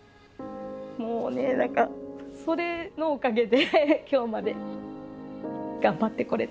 もうね何かそれのおかげで今日まで頑張ってこれたなって。